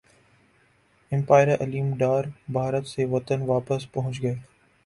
empire Aleem Dar Bharat سے وطن واپس پہنچ گئے